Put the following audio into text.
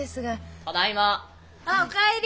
あっお帰り。